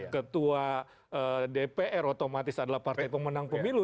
ketua dpr otomatis adalah partai pemenang pemilu